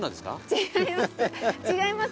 違います。